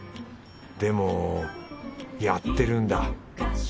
でもやってるんだ。